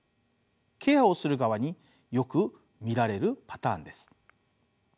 ケアをする側によく見られるパターンです。